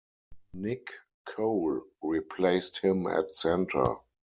Nick Cole replaced him at center.